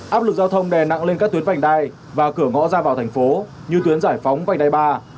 áp lực giao thông đè nặng lên các tuyến vành đai và cửa ngõ ra vào thành phố như tuyến giải phóng vành đai ba